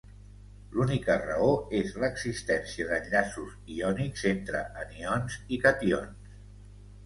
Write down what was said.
L'única raó és l'existència d'enllaços iònics entre anions i cations.